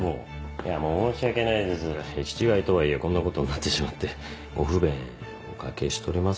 いや申し訳ないです行き違いとはいえこんなことになってしまってご不便おかけしております。